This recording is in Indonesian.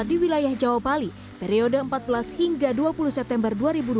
di wilayah jawa bali periode empat belas hingga dua puluh september dua ribu dua puluh